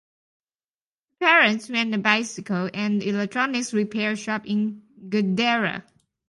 Her parents ran a bicycle and electronics repair shop in Gedera.